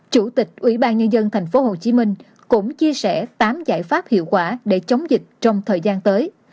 chủ tịch ủy ban nhân dân tp hcm cũng chia sẻ tám giải pháp hiệu quả để chống dịch trong thời gian tới